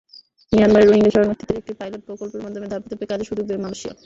মিয়ানমারের রোহিঙ্গা শরণার্থীদের একটি পাইলট প্রকল্পের মাধ্যমে ধাপে ধাপে কাজের সুযোগ দেবে মালয়েশিয়া।